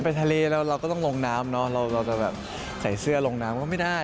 ไปทะเลแล้วเราก็ต้องลงน้ำเนอะเราจะแบบใส่เสื้อลงน้ำก็ไม่ได้